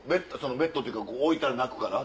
ベッドっていうか置いたら泣くから？